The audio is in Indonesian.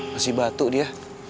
masih batuk dia